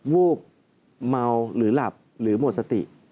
วูบเมาหรือหลับหรือหมดสติ